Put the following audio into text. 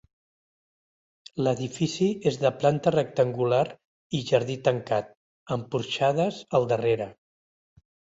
L'edifici és de planta rectangular i jardí tancat amb porxades al darrere.